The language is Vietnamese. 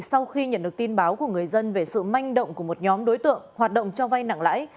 sau khi nhận được tin báo của người dân về sự manh động của một nhóm đối tượng hoạt động cho vay nặng lãi